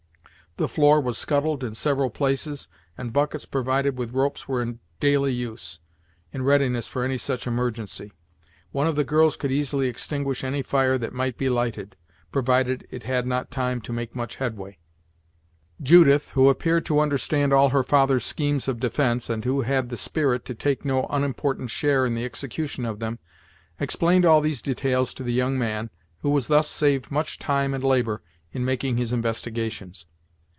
The floor was scuttled in several places, and buckets provided with ropes were in daily use, in readiness for any such emergency. One of the girls could easily extinguish any fire that might be lighted, provided it had not time to make much headway. Judith, who appeared to understand all her father's schemes of defence, and who had the spirit to take no unimportant share in the execution of them, explained all these details to the young man, who was thus saved much time and labor in making his investigations.